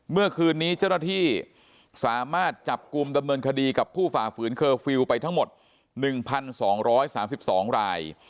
เมื่อคืนนี้เจ้าหน้าที่สามารถจับกลุ่มดำเนินคดีกับผู้ฝ่าฝืนเคอร์ฟิลล์ไปทั้งหมด๑๒๓๒ราย